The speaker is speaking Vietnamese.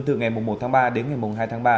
từ ngày một ba đến ngày hai ba